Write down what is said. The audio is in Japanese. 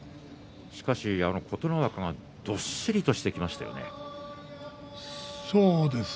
琴ノ若がどっしりとしてきましたね。